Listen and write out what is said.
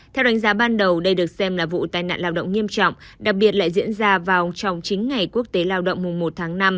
theo đánh giá ban đầu đây được xem là vụ tai nạn lao động nghiêm trọng đặc biệt lại diễn ra vào trong chín ngày quốc tế lao động mùa một tháng năm